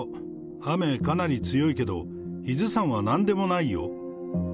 雨かなり強いけど、伊豆山はなんでもないよ。